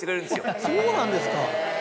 あっそうなんですか！